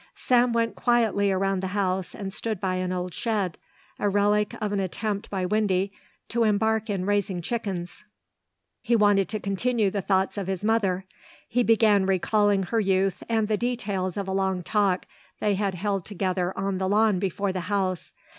Sam went quietly around the house and stood by an old shed, a relic of an attempt by Windy to embark in raising chickens. He wanted to continue the thoughts of his mother. He began recalling her youth and the details of a long talk they had held together on the lawn before the house.